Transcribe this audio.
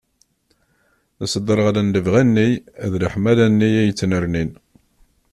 Sdereɣlen lebɣi-nni d leḥmala-nni i yettnernin.